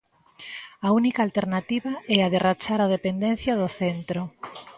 A única alternativa é a de rachar a dependencia do centro.